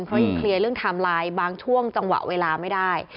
เพราะยังเคลียร์เรื่องไทม์ไลน์บางช่วงจังหวะเวลาไม่ได้